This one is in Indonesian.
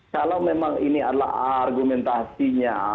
kalau memang ini adalah argumentasinya